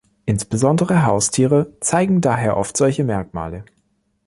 Insbesondere Haustiere zeigen daher oft solche Merkmale.